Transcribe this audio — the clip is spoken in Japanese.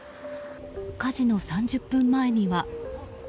火事の３０分前には。